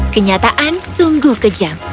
kenyataan sungguh kejam